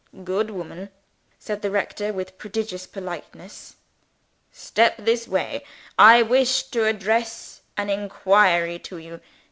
"Good woman," said the rector with ponderous politeness, "step this way. I wish to address an inquiry to you.